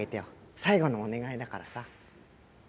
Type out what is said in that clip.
最後のお願いだからさ。